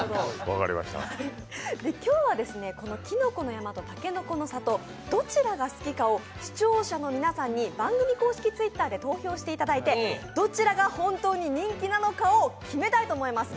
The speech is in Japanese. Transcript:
今日は、きのこの山とたけのこの里、どちらが好きかを視聴者の皆さんに番組公式Ｔｗｉｔｔｅｒで投票していただいてどちらが本当に人気なのかを番組で決めたいと思います。